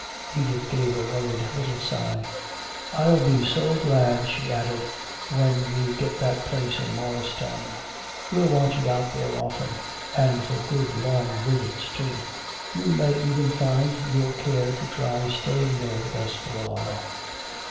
Edith gave a worried little sigh. "I'll be so glad," she added, "when we get that place in Morristown. We'll want you out there often, and for good long visits too. You may even find you'll care to try staying there with us for a while."